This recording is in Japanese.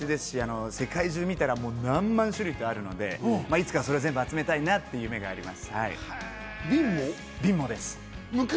まだまだ序の口ですし、世界中見たら何万種類ってあるので、いつかそれ全部集めたいなっていう夢があります。